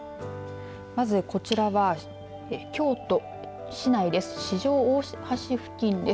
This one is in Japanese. まず、こちらは京都市内です。